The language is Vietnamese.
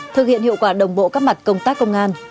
thực hiện hiệu quả đồng bộ các mặt công tác công an